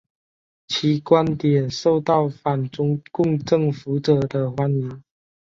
其观点受到反中共政府者的欢迎。